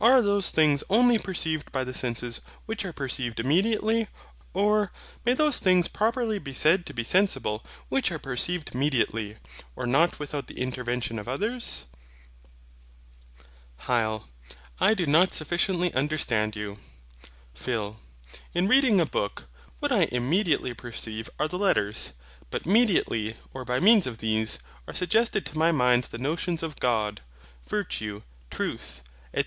Are those things only perceived by the senses which are perceived immediately? Or, may those things properly be said to be SENSIBLE which are perceived mediately, or not without the intervention of others? HYL. I do not sufficiently understand you. PHIL. In reading a book, what I immediately perceive are the letters; but mediately, or by means of these, are suggested to my mind the notions of God, virtue, truth, &c.